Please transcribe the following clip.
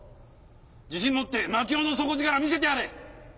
自信持って槙尾の底力見せてやれ！